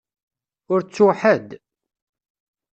Ur ttuɣ ḥedd?